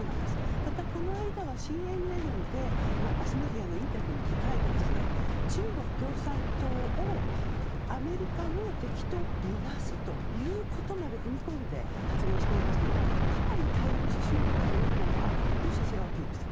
また、この間はＣＮＮでマスメディアのインタビューに答えて中国共産党をアメリカの敵とみなすということまで踏み込んで、発言していますのでかなり対中強硬派の姿勢をアピールしている。